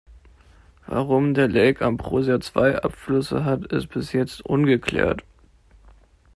Warum der Lake Ambrosia zwei Abflüsse hat ist bis jetzt ungeklärt.